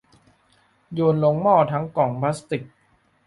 โยนลงหม้อทั้งกล่องพลาสติก